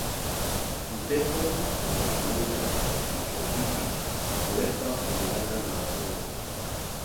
Upepo wa kimbunga ya kitropiki huwekwa kulingana na wadogo